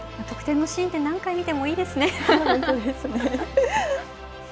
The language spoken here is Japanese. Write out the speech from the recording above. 得点のシーンって何回見てもいいですね。